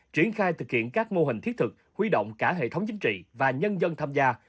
triển khai thực hiện các mô hình thiết thực huy động cả hệ thống chính trị và nhân dân tham gia